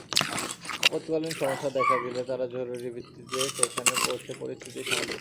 আপৎকালীন সমস্যা দেখা দিলে তারা জরুরি ভিত্তিতে সেখানে পৌঁছে পরিস্থিতি সামাল দেবে।